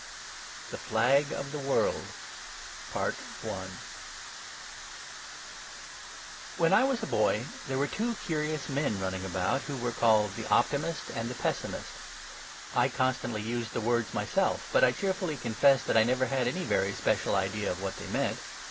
V THE FLAG OF THE WORLD When I was a boy there were two curious men running about who were called the optimist and the pessimist. I constantly used the words myself, but I cheerfully confess that I never had any very special idea of what they meant.